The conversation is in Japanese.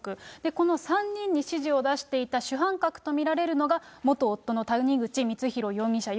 この３人に指示を出していた主犯格と見られるのが元夫の谷口光弘容疑者